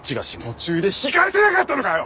途中で引き返せなかったのかよ！